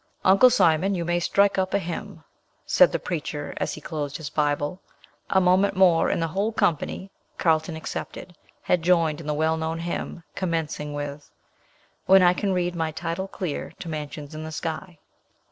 "Uncle Simon, you may strike up a hymn," said the preacher as he closed his Bible. A moment more, and the whole company (Carlton excepted) had joined in the well known hymn, commencing with "When I can read my title clear To mansions in the sky."